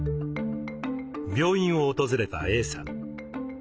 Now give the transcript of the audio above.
病院を訪れたＡさん。